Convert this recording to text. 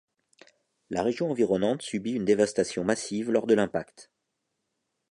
La région environnante subit une dévastation massive lors de l'impact.